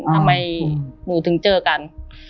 ทำไมหนูถึงเจอกัน